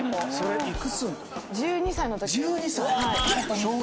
１２歳のときです。